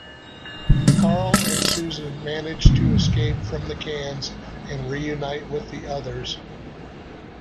Carl and Susan manage to escape from the cans and reunite with the others.